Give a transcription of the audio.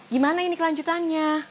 gimana ini kelanjutannya